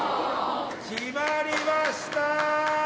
決まりました！